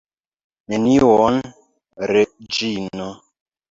Nenion, Reĝino.